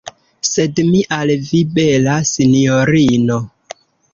Sed mi al vi, bela sinjorino.